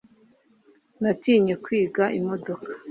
Natinye kwiga imodoka